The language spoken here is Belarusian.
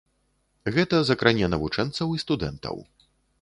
Гэта закране навучэнцаў і студэнтаў.